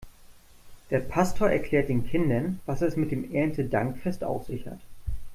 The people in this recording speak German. Der Pastor erklärt den Kindern, was es mit dem Erntedankfest auf sich hat.